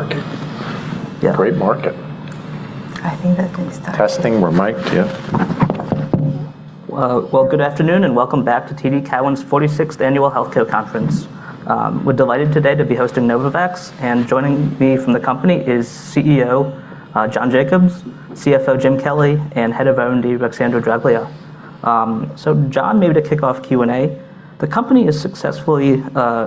Market. Yeah. Great market, I think. Testing the mic, yeah. Well, good afternoon and welcome back to TD Cowen's 46th Annual Healthcare Conference. We're delighted today to be hosting Novavax. Joining me from the company is CEO John Jacobs, CFO Jim Kelly, and Head of R&D Ruxandra Draghia. John, maybe to kick off Q&A, the company is successfully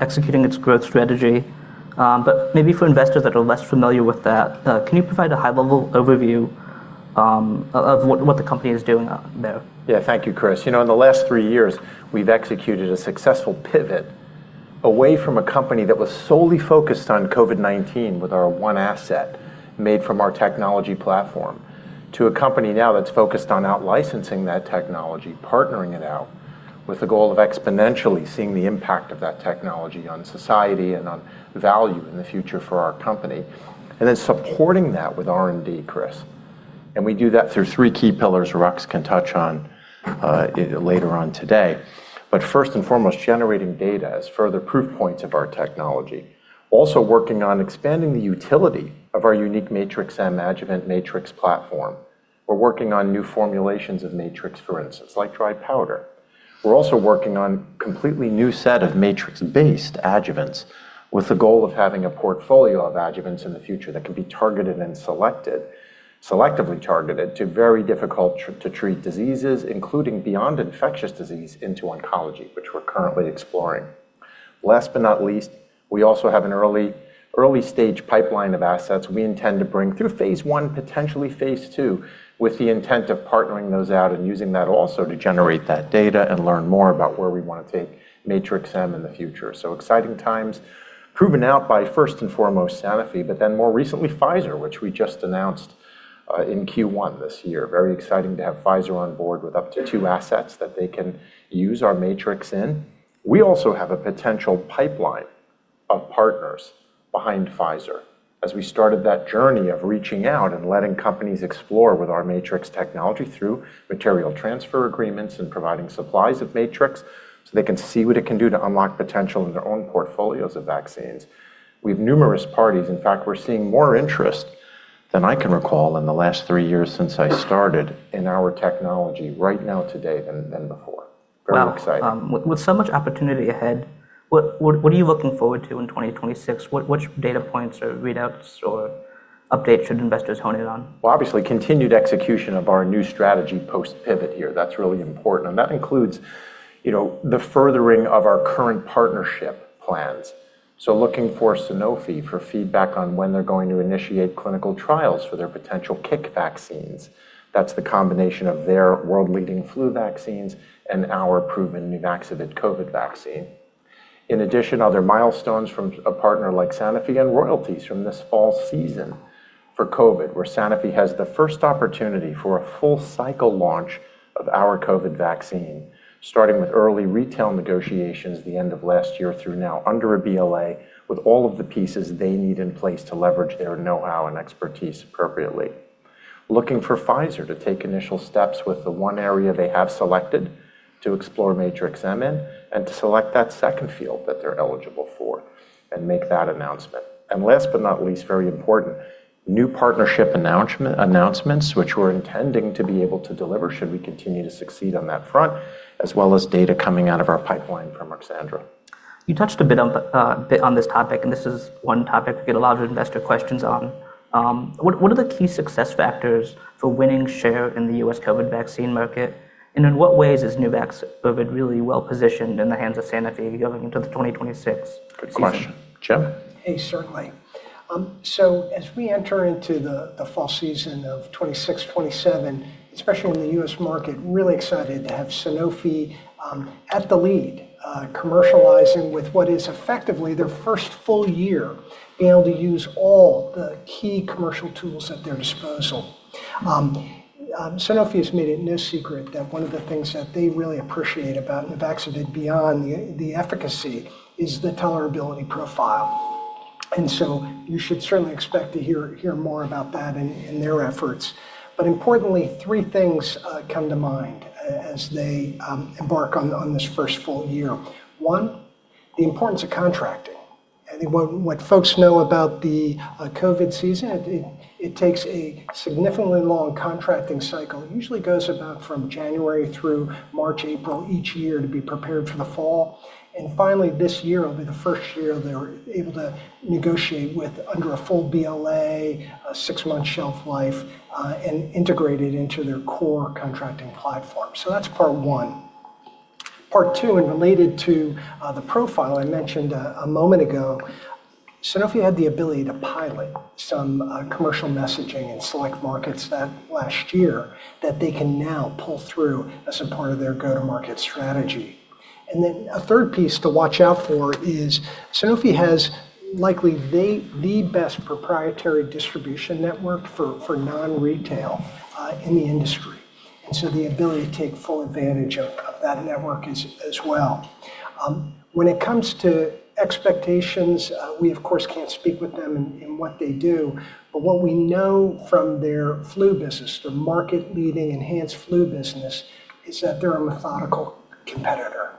executing its growth strategy, but maybe for investors that are less familiar with that, can you provide a high-level overview of what the company is doing out there? Yeah, thank you, Chris. You know, in the last three years we've executed a successful pivot away from a company that was solely focused on COVID-19 with our one asset made from our technology platform to a company now that's focused on out licensing that technology, partnering it out with the goal of exponentially seeing the impact of that technology on society and on value in the future for our company, and then supporting that with R&D, Chris. We do that through three key pillars Rux can touch on later on today. First and foremost, generating data as further proof points of our technology. Also working on expanding the utility of our unique Matrix-M adjuvant matrix platform. We're working on new formulations of Matrix, for instance, like dry powder. We're also working on completely new set of Matrix-based adjuvants with the goal of having a portfolio of adjuvants in the future that can be targeted and selected, selectively targeted to very difficult to treat diseases, including beyond infectious disease into oncology, which we're currently exploring. Last but not least, we also have an early-stage pipeline of assets we intend to bring through phase one, potentially phase two, with the intent of partnering those out and using that also to generate that data and learn more about where we wanna take Matrix-M in the future. Exciting times proven out by first and foremost Sanofi, but then more recently Pfizer, which we just announced in Q1 this year. Very exciting to have Pfizer on board with up to two assets that they can use our Matrix in. We also have a potential pipeline of partners behind Pfizer as we started that journey of reaching out and letting companies explore with our Matrix technology through material transfer agreements and providing supplies of Matrix so they can see what it can do to unlock potential in their own portfolios of vaccines. We have numerous parties. In fact, we're seeing more interest than I can recall in the last three years since I started in our technology right now today than before. Very exciting. Wow. with so much opportunity ahead, what are you looking forward to in 2026? What, which data points or readouts or updates should investors hone in on? Well, obviously continued execution of our new strategy post pivot here. That's really important. That includes, you know, the furthering of our current partnership plans. Looking for Sanofi for feedback on when they're going to initiate clinical trials for their potential combination vaccines. That's the combination of their world-leading flu vaccines and our proven Nuvaxovid COVID vaccine. In addition, other milestones from a partner like Sanofi and royalties from this fall season for COVID, where Sanofi has the first opportunity for a full cycle launch of our COVID vaccine, starting with early retail negotiations the end of last year through now under a BLA with all of the pieces they need in place to leverage their know-how and expertise appropriately. Looking for Pfizer to take initial steps with the one area they have selected to explore Matrix-M in and to select that second field that they're eligible for and make that announcement. Last but not least, very important, new partnership announcements which we're intending to be able to deliver should we continue to succeed on that front, as well as data coming out of our pipeline from Ruxandra. You touched a bit on this topic. This is one topic we get a lot of investor questions on. What are the key success factors for winning share in the U.S. COVID vaccine market? In what ways is Nuvaxovid really well-positioned in the hands of Sanofi going into the 2026 season? Good question. Jim? Hey, certainly. So as we enter into the fall season of 2026, 2027, especially in the U.S. market, really excited to have Sanofi at the lead, commercializing with what is effectively their first full year being able to use all the key commercial tools at their disposal. Sanofi has made it no secret that one of the things that they really appreciate about Nuvaxovid beyond the efficacy is the tolerability profile. You should certainly expect to hear more about that in their efforts. Importantly, three things come to mind as they embark on this first full year. One, the importance of contracting. I think what folks know about the COVID season, it takes a significantly long contracting cycle. It usually goes about from January through March, April each year to be prepared for the fall. Finally, this year will be the first year they're able to negotiate with under a full BLA, a six-month shelf life, and integrated into their core contracting platform. That's part 1. Part 2, related to the profile I mentioned a moment ago, Sanofi had the ability to pilot some commercial messaging in select markets that last year that they can now pull through as a part of their go-to-market strategy. A third piece to watch out for is Sanofi has likely the best proprietary distribution network for non-retail in the industry, and so the ability to take full advantage of that network as well. When it comes to expectations, we of course, can't speak with them in what they do. What we know from their flu business, their market-leading enhanced flu business, is that they're a methodical competitor.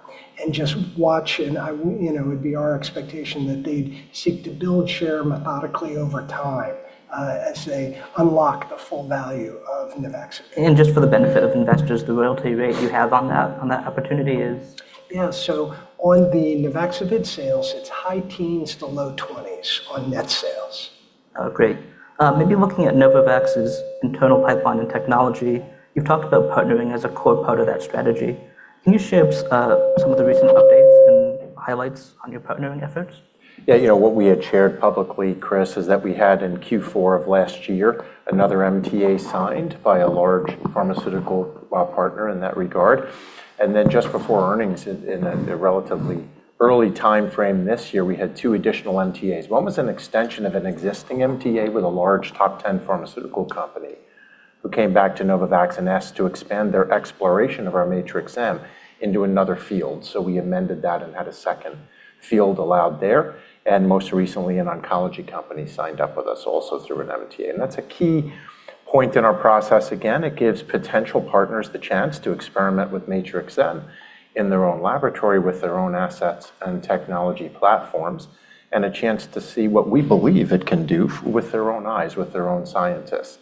Just watch and you know, it would be our expectation that they'd seek to build share methodically over time, as they unlock the full value of Nuvaxovid. Just for the benefit of investors, the royalty rate you have on that, on that opportunity is? Yeah. On the Nuvaxovid sales, it's high teens to low twenties on net sales. Oh, great. Maybe looking at Novavax's internal pipeline and technology, you've talked about partnering as a core part of that strategy. Can you share some of the recent updates and highlights on your partnering efforts? Yeah, you know, what we had shared publicly, Chris, is that we had in Q4 of last year, another MTA signed by a large pharmaceutical partner in that regard. Just before earnings in a relatively early timeframe this year, we had two additional MTAs. One was an extension of an existing MTA with a large top 10 pharmaceutical company who came back to Novavax and asked to expand their exploration of our Matrix-M into another field. We amended that and had a second field allowed there. Most recently, an oncology company signed up with us also through an MTA. That's a key point in our process. Again, it gives potential partners the chance to experiment with Matrix-M in their own laboratory with their own assets and technology platforms, and a chance to see what we believe it can do with their own eyes, with their own scientists.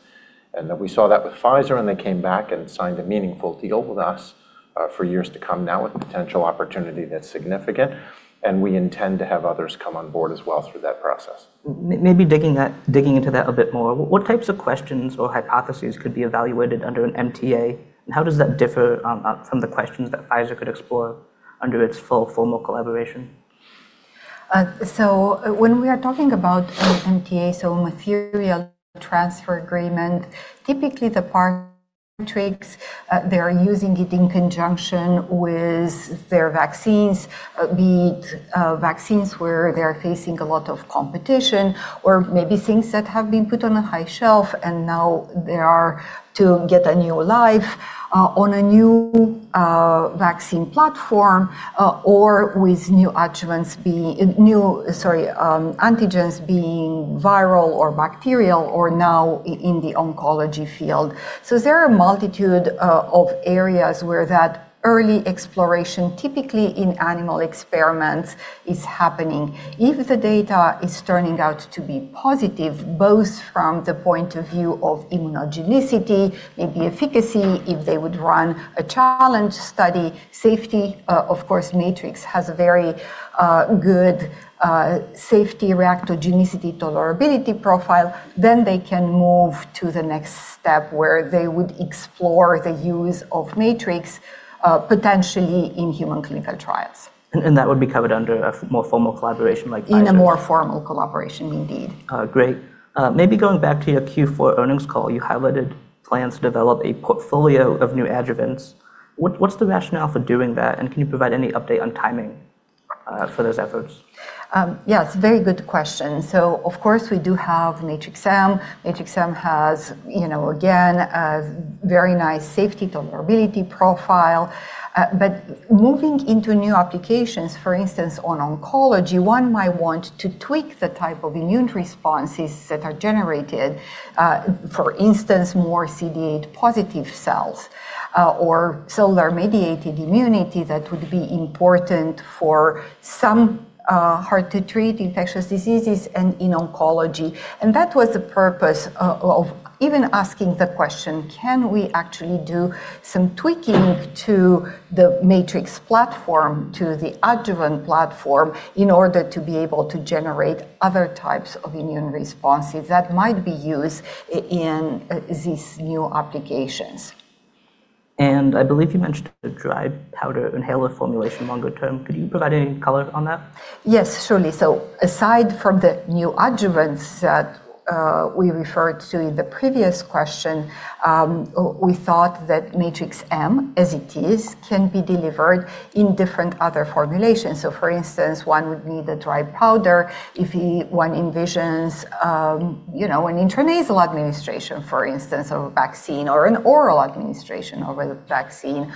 We saw that with Pfizer. They came back and signed a meaningful deal with us, for years to come now with a potential opportunity that's significant. We intend to have others come on board as well through that process. maybe digging into that a bit more, what types of questions or hypotheses could be evaluated under an MTA, and how does that differ from the questions that Pfizer could explore under its full formal collaboration? When we are talking about an MTA, so a material transfer agreement, typically the Matrix-M, they're using it in conjunction with their vaccines, be it vaccines where they're facing a lot of competition or maybe things that have been put on a high shelf and now they are to get a new life, on a new vaccine platform, or with new antigens being viral or bacterial or now in the oncology field. There are a multitude of areas where that early exploration, typically in animal experiments is happening. If the data is turning out to be positive, both from the point of view of immunogenicity, maybe efficacy, if they would run a challenge study, safety, of course, Matrix has a very good safety reactogenicity tolerability profile, then they can move to the next step where they would explore the use of Matrix, potentially in human clinical trials. That would be covered under a more formal collaboration like Pfizer's? In a more formal collaboration, indeed. Great. Maybe going back to your Q4 earnings call, you highlighted plans to develop a portfolio of new adjuvants. What's the rationale for doing that? Can you provide any update on timing for those efforts? Yeah, it's a very good question. Of course, we do have Matrix-M. Matrix-M has, you know, again, a very nice safety tolerability profile. Moving into new applications, for instance, on oncology, one might want to tweak the type of immune responses that are generated, for instance, more CD8 positive cells, or cellular-mediated immunity that would be important for some hard to treat infectious diseases and in oncology. That was the purpose of even asking the question, can we actually do some tweaking to the Matrix platform, to the adjuvant platform in order to be able to generate other types of immune responses that might be used in these new applications. I believe you mentioned a dry powder inhaler formulation longer term. Could you provide any color on that? Yes, surely. Aside from the new adjuvants that we referred to in the previous question, we thought that Matrix-M as it is, can be delivered in different other formulations. For instance, one would be the dry powder if one envisions, you know, an intranasal administration, for instance, of a vaccine or an oral administration over the vaccine,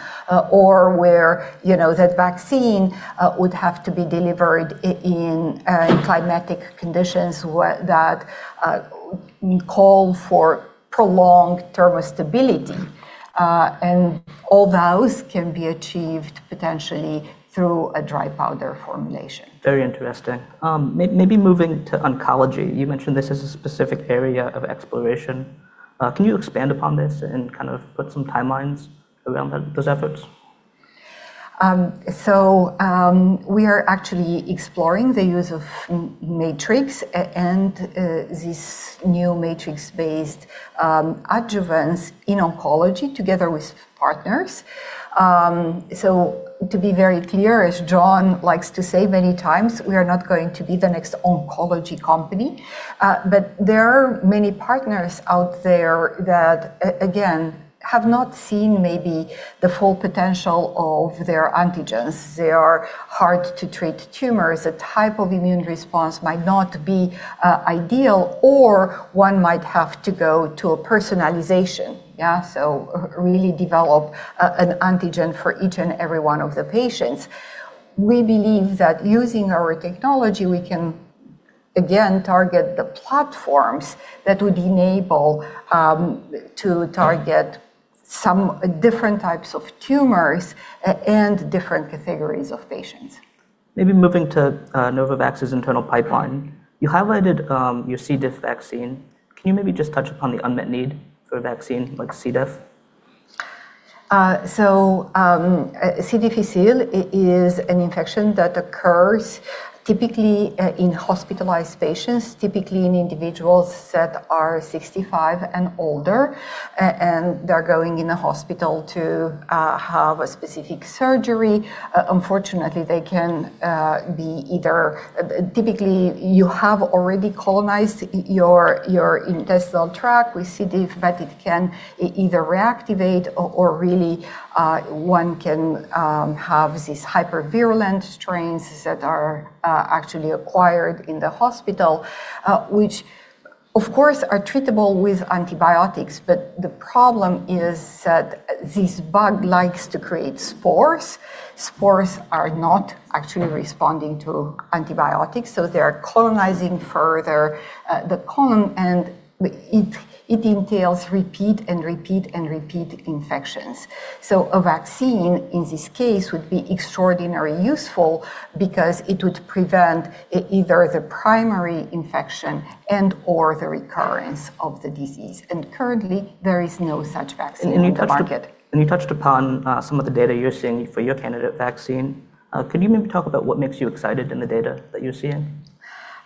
or where, you know, that vaccine would have to be delivered in climatic conditions that call for prolonged thermostability. All those can be achieved potentially through a dry powder formulation. Very interesting. Maybe moving to oncology. You mentioned this is a specific area of exploration. Can you expand upon this and kind of put some timelines around those efforts? We are actually exploring the use of Matrix-M and these new Matrix-based adjuvants in oncology together with partners. To be very clear, as John likes to say many times, we are not going to be the next oncology company. There are many partners out there that again, have not seen maybe the full potential of their antigens. They are hard to treat tumors. A type of immune response might not be ideal or one might have to go to a personalization. Really develop an antigen for each and every one of the patients. We believe that using our technology, we can again target the platforms that would enable to target some different types of tumors and different categories of patients. Maybe moving to Novavax's internal pipeline. You highlighted your C. diff vaccine. Can you maybe just touch upon the unmet need for a vaccine like C. diff? C. difficile is an infection that occurs typically in hospitalized patients, typically in individuals that are 65 and older, and they're going in the hospital to have a specific surgery. Unfortunately, they can be either. Typically, you have already colonized your intestinal tract with C. diff, but it can either reactivate or really, one can have these hypervirulent strains that are actually acquired in the hospital, which, of course, are treatable with antibiotics. The problem is that this bug likes to create spores. Spores are not actually responding to antibiotics, so they are colonizing further the colon, and it entails repeat and repeat and repeat infections. A vaccine, in this case, would be extraordinarily useful because it would prevent either the primary infection and/or the recurrence of the disease. Currently, there is no such vaccine on the market. You touched upon some of the data you're seeing for your candidate vaccine. Can you maybe talk about what makes you excited in the data that you're seeing?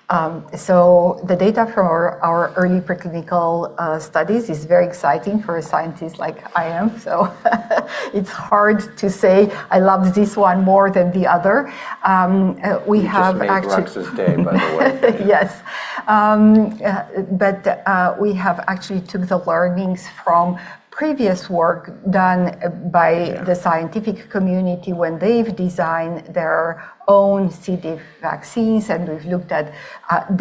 The data from our early preclinical studies is very exciting for a scientist like I am. It's hard to say I love this one more than the other. We have actually- You just made Rux's day, by the way. Yes. We have actually took the learnings from previous work done by... Yeah.... the scientific community when they've designed their own C. diff vaccines. We've looked at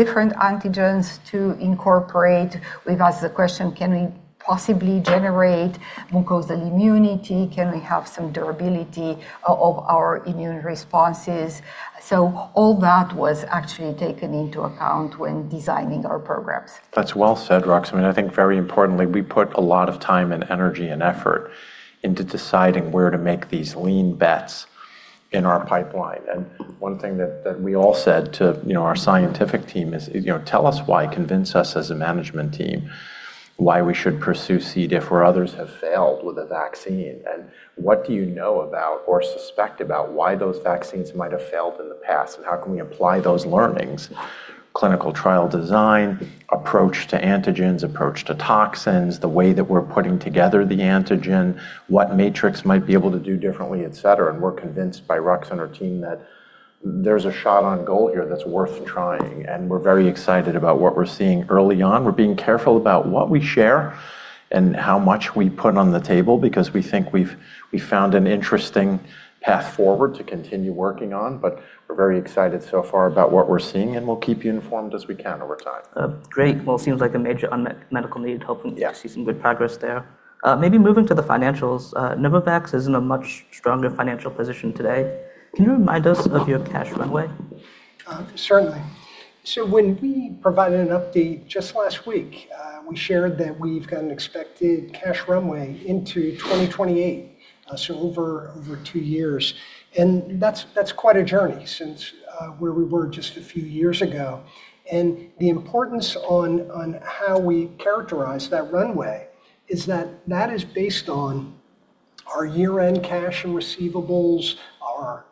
different antigens to incorporate. We've asked the question, can we possibly generate mucosal immunity? Can we have some durability of our immune responses? All that was actually taken into account when designing our programs. That's well said, Rux. I mean, I think very importantly, we put a lot of time and energy and effort into deciding where to make these lean bets in our pipeline. One thing that we all said to, you know, our scientific team is, you know, "Tell us why. Convince us as a management team why we should pursue C. diff where others have failed with a vaccine, and what do you know about or suspect about why those vaccines might have failed in the past, and how can we apply those learnings?" Clinical trial design, approach to antigens, approach to toxins, the way that we're putting together the antigen, what Matrix-M might be able to do differently, et cetera. We're convinced by Rux and her team that there's a shot on goal here that's worth trying, and we're very excited about what we're seeing early on. We're being careful about what we share and how much we put on the table because we think we've found an interesting path forward to continue working on. We're very excited so far about what we're seeing, and we'll keep you informed as we can over time. Great. Well, it seems like a major unmet medical need. Hopefully- Yeah... we'll see some good progress there. Maybe moving to the financials. Novavax is in a much stronger financial position today. Can you remind us of your cash runway? Certainly. When we provided an update just last week, we shared that we've got an expected cash runway into 2028, so over two years, and that's quite a journey since where we were just a few years ago. The importance on how we characterize that runway is that that is based on our year-end cash and receivables, our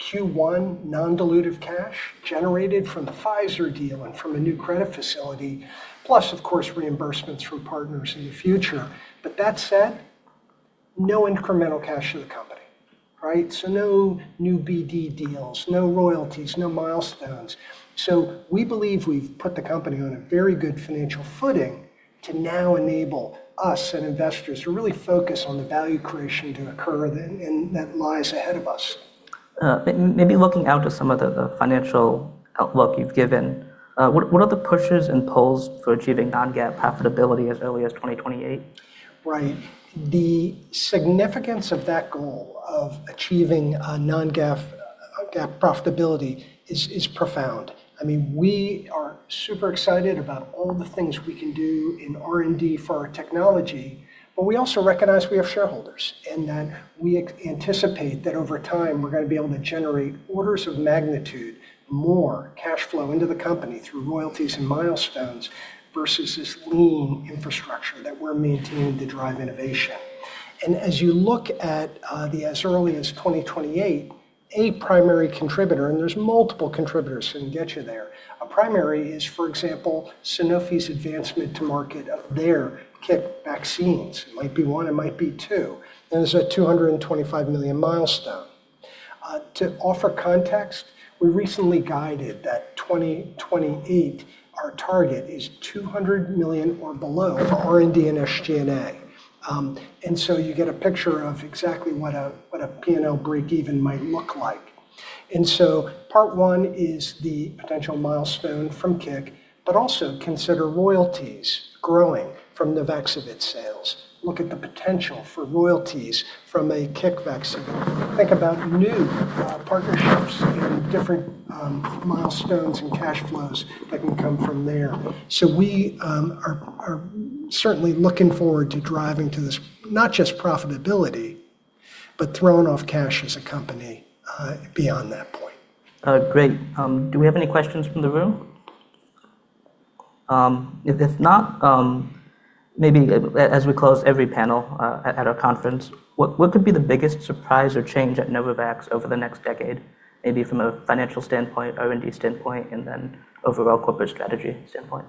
Q1 non-dilutive cash generated from the Pfizer deal and from a new credit facility, plus, of course, reimbursements from partners in the future. That said, no incremental cash to the company, right? No new BD deals, no royalties, no milestones. We believe we've put the company on a very good financial footing to now enable us and investors to really focus on the value creation to occur that, and that lies ahead of us. Maybe looking out to some of the financial outlook you've given, what are the pushes and pulls for achieving non-GAAP profitability as early as 2028? Right. The significance of that goal of achieving a non-GAAP profitability is profound. I mean, we are super excited about all the things we can do in R&D for our technology, but we also recognize we have shareholders and that we anticipate that over time, we're gonna be able to generate orders of magnitude more cash flow into the company through royalties and milestones versus this lean infrastructure that we're maintaining to drive innovation. As you look at, as early as 2028, a primary contributor, and there's multiple contributors who can get you there, a primary is, for example, Sanofi's advancement to market of their IXCHIQ vaccines. It might be one, it might be two. There's a $225 million milestone. To offer context, we recently guided that 2028, our target is $200 million or below for R&D and SG&A. You get a picture of exactly what a P&L break even might look like. Part one is the potential milestone from IXCHIQ, but also consider royalties growing from the Nuvaxovid sales. Look at the potential for royalties from a IXCHIQ vaccine. Think about new partnerships in different milestones and cash flows that can come from there. We are certainly looking forward to driving to this not just profitability, but throwing off cash as a company beyond that point. Great. Do we have any questions from the room? If not, maybe as we close every panel, at our conference, what could be the biggest surprise or change at Novavax over the next decade, maybe from a financial standpoint, R&D standpoint, and then overall corporate strategy standpoint?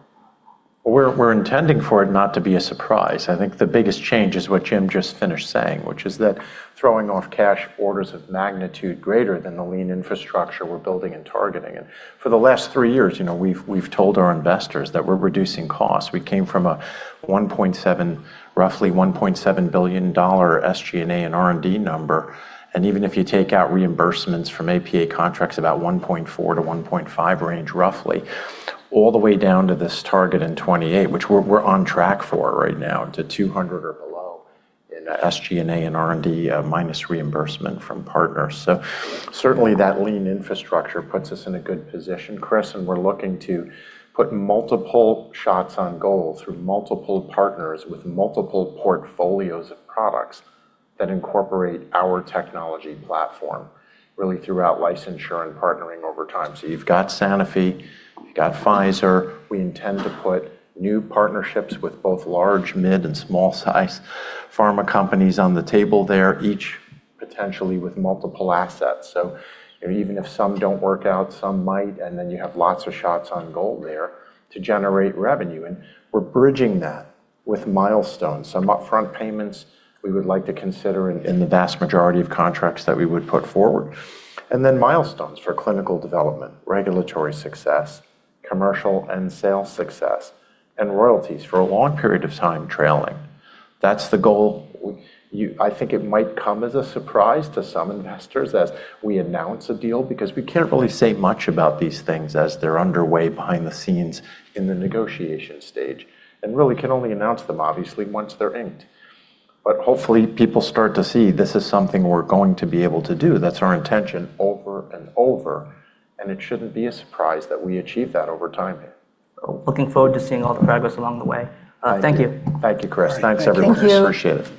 We're intending for it not to be a surprise. I think the biggest change is what Jim just finished saying, which is that throwing off cash orders of magnitude greater than the lean infrastructure we're building and targeting. For the last three years, you know, we've told our investors that we're reducing costs. We came from roughly a $1.7 billion SG&A and R&D number, and even if you take out reimbursements from APA contracts, about a $1.4 billion-$1.5 billion range roughly, all the way down to this target in 2028, which we're on track for right now to $200 million or below in SG&A and R&D minus reimbursement from partners. Certainly that lean infrastructure puts us in a good position, Chris, and we're looking to put multiple shots on goal through multiple partners with multiple portfolios of products that incorporate our technology platform really throughout licensure and partnering over time. You've got Sanofi, you've got Pfizer. We intend to put new partnerships with both large, mid, and small-sized pharma companies on the table there, each potentially with multiple assets. You know, even if some don't work out, some might, and then you have lots of shots on goal there to generate revenue, and we're bridging that with milestones. Some upfront payments we would like to consider in the vast majority of contracts that we would put forward. Milestones for clinical development, regulatory success, commercial and sales success, and royalties for a long period of time trailing. That's the goal. I think it might come as a surprise to some investors as we announce a deal because we can't really say much about these things as they're underway behind the scenes in the negotiation stage. Really can only announce them, obviously, once they're inked. Hopefully people start to see this is something we're going to be able to do. That's our intention over and over. It shouldn't be a surprise that we achieve that over time. Looking forward to seeing all the progress along the way. Thank you. Thank you, Chris. All right. Thank you. Thanks, everyone. Thank you. Appreciate it.